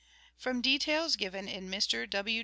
. From details given in Mr. W.